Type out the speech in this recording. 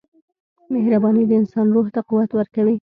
• مهرباني د انسان روح ته قوت ورکوي.